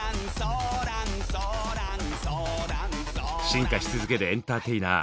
進化し続けるエンターテイナー